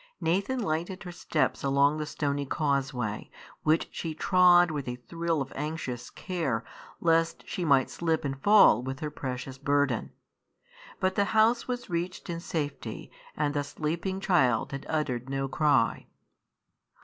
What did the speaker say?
Nathan lighted her steps along the stony causeway, which she trod with a thrill of anxious care, lest she might slip and fall with her precious burden. But the house was reached in safety, and the sleeping child had uttered no cry.